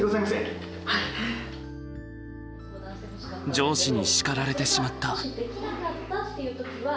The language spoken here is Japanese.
上司に叱られてしまった。